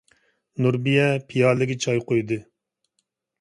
نۇربىيە پىيالىگە چاي قۇيدى.